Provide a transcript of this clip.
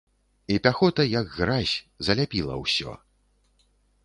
І пяхота, як гразь, заляпіла ўсё.